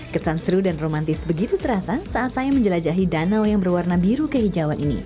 kesan seru dan romantis begitu terasa saat saya menjelajahi danau yang berwarna biru kehijauan ini